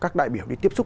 các đại biểu đi tiếp xúc